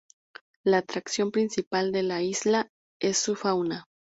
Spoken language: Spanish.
La atracción principal de la isla es su fauna.